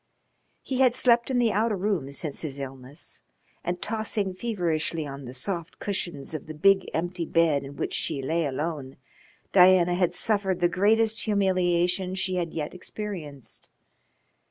He had slept in the outer room since his illness, and tossing feverishly on the soft cushions of the big empty bed in which she lay alone Diana had suffered the greatest humiliation she had yet experienced.